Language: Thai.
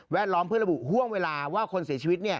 ล้อมเพื่อระบุห่วงเวลาว่าคนเสียชีวิต